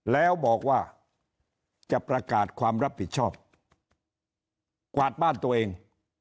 แล้วบอกว่าจะประกาศความรับผิดชอบกวาดบ้านตัวเอง